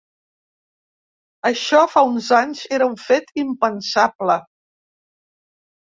Això fa uns anys era un fet impensable.